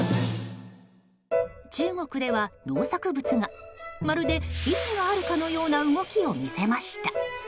中国では農作物がまるで意思があるかのような動きを見せました。